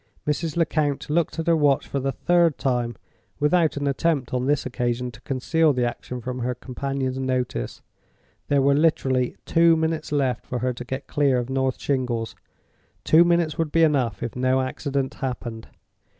Mrs. Lecount looked at her watch for the third time, without an attempt on this occasion to conceal the action from her companion's notice. There were literally two minutes left for her to get clear of North Shingles. Two minutes would be enough, if no accident happened.